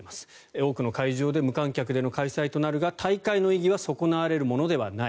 多くの会場で無観客での開催となるが大会の意義は損なわれるものではない。